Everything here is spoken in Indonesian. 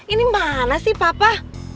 ini mana sih papa